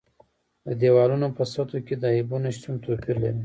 د دېوالونو په سطحو کې د عیبونو شتون توپیر لري.